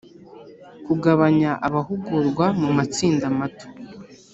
Kugabanya abahugurwa mu matsinda mato